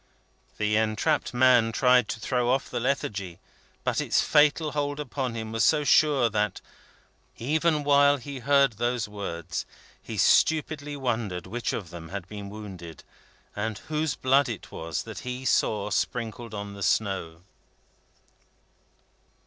The entrapped man tried to throw off the lethargy, but its fatal hold upon him was so sure that, even while he heard those words, he stupidly wondered which of them had been wounded, and whose blood it was that he saw sprinkled on the snow.